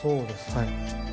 はい。